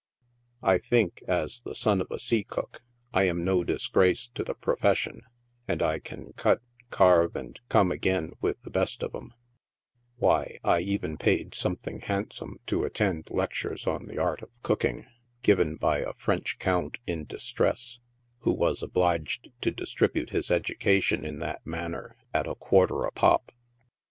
I think, as the son of a sea cook, I am no disgrace to the profession, and I can cut, carve and come again with the best of 'em; why, I even paid something handsome to attend lectures on the art of cooking, given by a French Count in distress, who was obliged to distribute his education in that manner, at a quarter a pop.